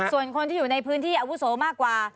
ส่วนคนที่อยู่ในพื้นที่อาวุโสมากกว่า